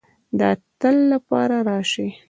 د تل د پاره راشې